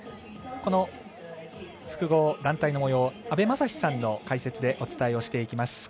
この複合団体のもよう阿部雅司さんの解説でお伝えをしていきます。